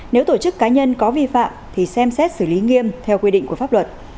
nếu tổ chức cá nhân có vi phạm thì xem xét xử lý nghiêm theo quy định của pháp luật